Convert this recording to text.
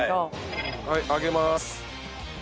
はい上げます。